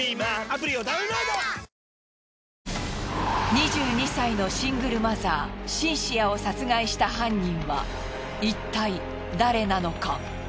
２２歳のシングルマザーシンシアを殺害した犯人はいったい誰なのか？